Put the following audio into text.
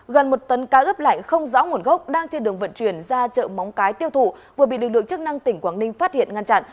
gần một tấn cá ướp lạnh không rõ nguồn gốc đang trên đường vận chuyển ra chợ móng cái tiêu thụ vừa bị lực lượng chức năng tỉnh quảng ninh phát hiện ngăn chặn